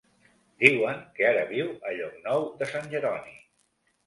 Diuen que ara viu a Llocnou de Sant Jeroni.